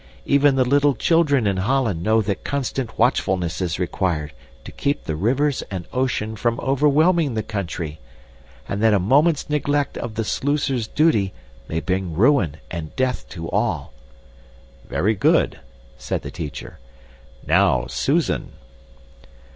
Even the little children in Holland know that constant watchfulness is required to keep the rivers and ocean from overwhelming the country, and that a moment's neglect of the sluicer's duty may bring ruin and death to all." "Very good," said the teacher. "Now, Susan."